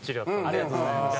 ありがとうございます。